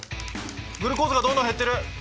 グルコースがどんどん減ってる！